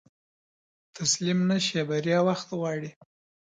تسليم نشې، بريا وخت غواړي.